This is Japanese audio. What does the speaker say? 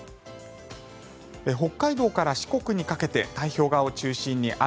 北海道から四国にかけて太平洋側を中心に雨。